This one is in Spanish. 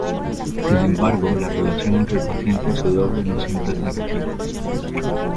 Sin embargo, la relación entre el paciente y su doble no siempre es negativa.